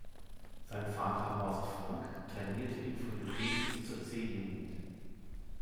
Sein Vater Horst Frank trainierte ihn von der D- bis zur C-Jugend.